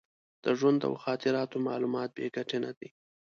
د ژوند او خاطراتو معلومات بې ګټې نه دي.